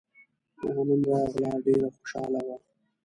هغه نن راغله ډېره خوشحاله وه